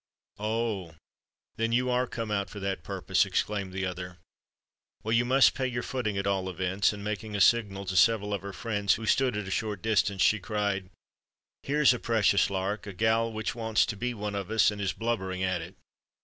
"Oh! then, you are come out for that purpose!" exclaimed the other. "Well, you must pay your footing at all events;"—and making a signal to several of her friends who stood at a short distance, she cried, "Here's a precious lark! a gal which wants to be one of us, and is blubbering at it!"